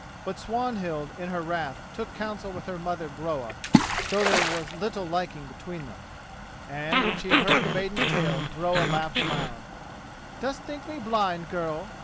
But Swanhild in her wrath took counsel with her mother Groa, though there was little liking between them; and, when she had heard the maiden's tale, Groa laughed aloud: "Dost think me blind, girl?"